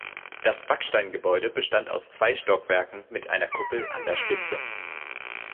Das Backsteingebäude bestand aus zwei Stockwerken mit einer Kuppel an der Spitze.